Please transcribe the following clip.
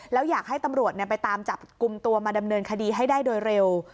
แล้วอยากให้ตำรวจไปตามจับกลุ่มตัวมาดำเนินคดีให้ได้โดยเร็ว